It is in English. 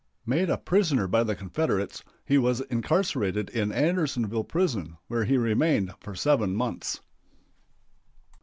Made a prisoner by the Confederates, he was incarcerated in Andersonville prison, where he remained for seven months.